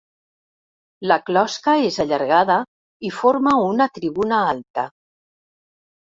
La closca és allargada i forma una tribuna alta.